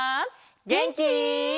げんき？